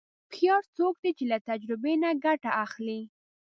هوښیار څوک دی چې له تجربې نه ګټه اخلي.